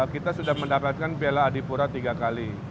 kita sudah mendapatkan piala adipura tiga kali